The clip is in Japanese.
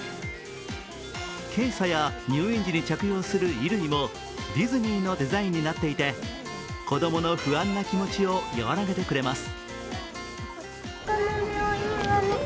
検査や入院時に着用する衣類もディズニーのデザインになっていて子供の不安な気持ちを和らげてくれます。